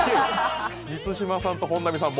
満島さんと本並さん